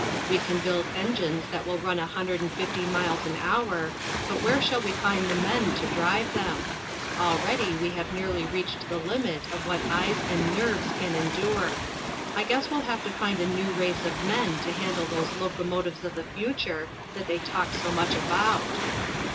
We can build engines that will run a hundred and fifty miles an hour, but where shall we find the men to drive them? Already we have nearly reached the limit of what eyes and nerves can endure. I guess we'll have to find a new race of men to handle these 'locomotives of the future' that they talk so much about."